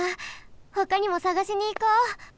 ほかにもさがしにいこう。